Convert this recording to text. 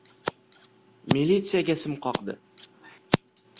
Militsiyaga sim qoqdi.